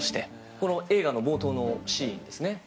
この映画の冒頭のシーンですね。